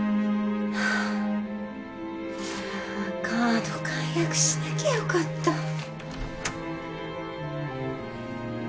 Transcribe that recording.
カード解約しなきゃよかった。